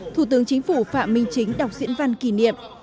thủ tướng chính phủ phạm minh chính đọc diễn văn kỷ niệm